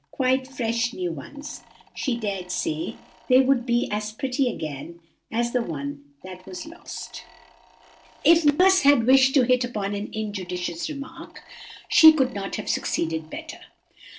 Quite fresh new ones. She dared say they would be as pretty again as the one that was lost.' "If nurse had wished to hit upon an injudicious remark, she could not have succeeded better.